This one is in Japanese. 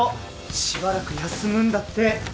しばらく休むんだって。